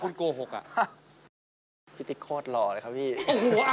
ฟงเหมือนพี่ไหมที่แบบว่า